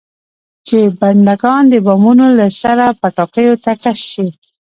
چې بډنکان د بامونو له سره پټاکیو ته کش شي.